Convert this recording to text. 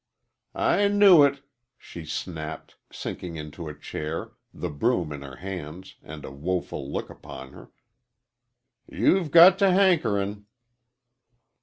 "I knew it," she snapped, sinking into a chair, the broom in her hands, and a woful look upon her. "You've got t' hankerin'."